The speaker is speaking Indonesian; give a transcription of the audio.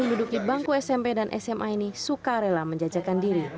namun anak anak yang sudah belajar di smp dan sma ini suka rela menjajakan diri